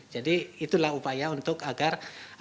jadi itulah upaya untuk agar